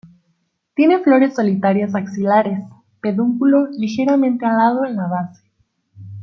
Tiene flores solitarias axilares; pedúnculo ligeramente alado en la base.